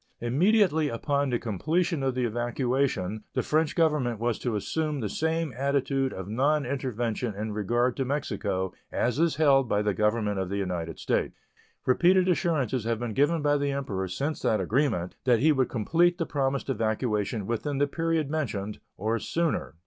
Immediately upon the completion of the evacuation the French Government was to assume the same attitude of nonintervention in regard to Mexico as is held by the Government of the United States. Repeated assurances have been given by the Emperor since that agreement that he would complete the promised evacuation within the period mentioned, or sooner.